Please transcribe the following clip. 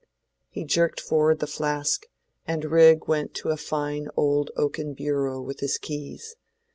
He jerked forward the flask and Rigg went to a fine old oaken bureau with his keys.